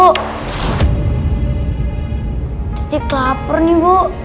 tenang aja ibu udah masak makan ini ya bu